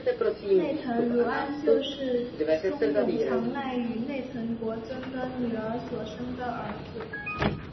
内藤如安就是松永长赖与内藤国贞的女儿所生的儿子。